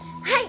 はい！